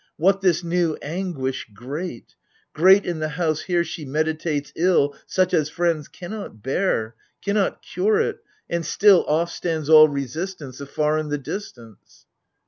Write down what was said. What this new anguish great ? Great in the house here she meditates ill Such as friends cannot bear, cannot cure it : and still Off stands all Resistance Afar in the distance